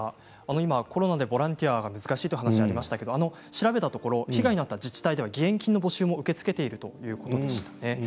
今、コロナでボランティアが難しいというお話がありましたが被害に遭った自治体では義援金の募集も受け付けているということでした。